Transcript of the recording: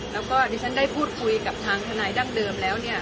แล้วก็ดิฉันได้พูดคุยกับทางทนายดั้งเดิมแล้วเนี่ย